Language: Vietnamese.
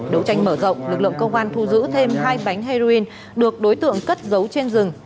đấu tranh mở rộng lực lượng công an thu giữ thêm hai bánh heroin được đối tượng cất dấu trên rừng